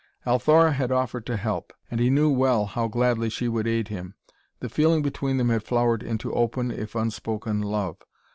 Althora had offered to help, and he knew well how gladly she would aid him; the feeling between them had flowered into open, if unspoken love.